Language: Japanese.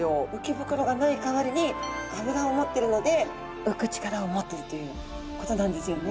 鰾がない代わりに脂を持ってるので浮く力を持っているということなんですよね。